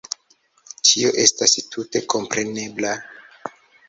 Tio estas tute komprenebla.